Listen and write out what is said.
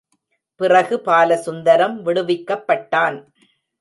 பிறகு பாலசுந்தரம் விடுவிக்கப்பட்டான்.